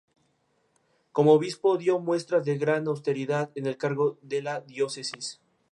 Como obispo dio muestras de gran austeridad en el cargo de la diócesis.